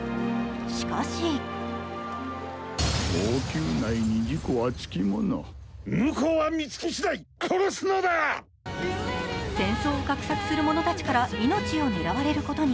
しかし戦争を画策する者たちから命を狙われることに。